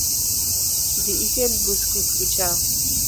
Dhi ikel buskut ucham